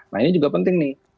nah ini juga penting nih